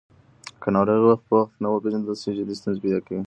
که ناروغي وخت په وخت ونه پیژندل شي، جدي ستونزې راپیدا کېږي.